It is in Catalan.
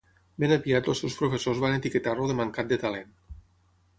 Ben aviat els seus professors van etiquetar-lo de mancat de talent.